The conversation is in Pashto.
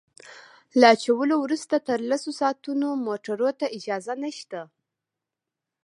له اچولو وروسته تر لسو ساعتونو موټرو ته اجازه نشته